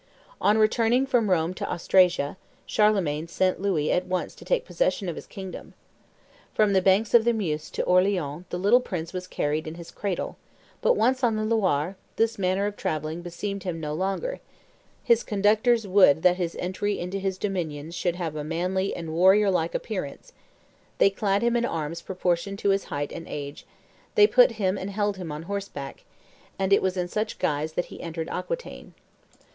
"On returning from Rome to Austrasia, Charlemagne sent Louis at once to take possession of his kingdom. From the banks of the Meuse to Orleans the little prince was carried in his cradle; but once on the Loire, this manner of travelling beseemed him no longer; his conductors would that his entry into his dominions should have a manly and warrior like appearance; they clad him in arms proportioned to his height and age; they put him and held him on horseback; and it was in such guise that he entered Aquitaine.